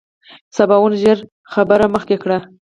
سباوون ژر خبره مخکې کړه.